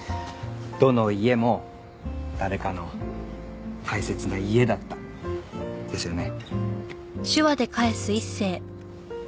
どの家も誰かの大切な家だった。ですよね？